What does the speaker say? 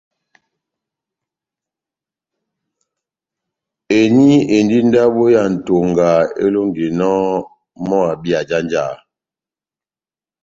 Eni endi ndabo ya Ntonga elonginɔ mɔ́ abi ajanjaha.